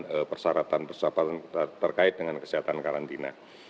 dan persyaratan persyaratan terkait dengan kesehatan karantina